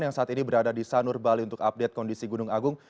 yang saat ini berada di sanur bali untuk update kondisi gunung agung